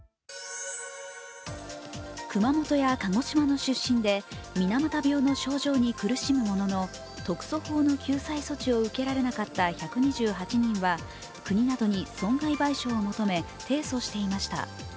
熊本や鹿児島の出身で水俣病の症状に苦しむものの特措法の救済措置を受けられなかった１２８人は国などに損害賠償を求め提訴していました。